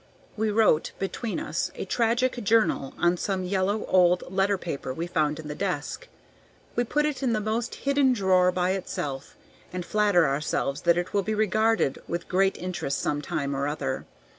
We wrote, between us, a tragic "journal" on some yellow old letter paper we found in the desk. We put it in the most hidden drawer by itself, and flatter ourselves that it will be regarded with great interest some time or other.